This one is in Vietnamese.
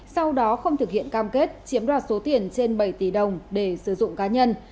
sau đó không thực hiện cam kết chiếm đoạt số tiền trên bảy tỷ đồng để sử dụng cá nhân